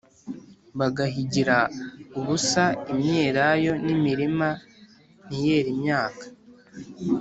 bagahingira ubusa imyelayo n’imirima ntiyere imyaka